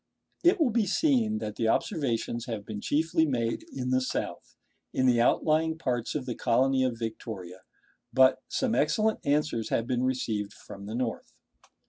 It will be seen that the observations have been chiefly made in the south, in the outlying parts of the colony of Victoria; but some excellent answers have been received from the north.